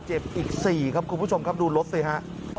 เจ็บอีก๔ครับคุณผู้ชมครับดูรถสิฮะ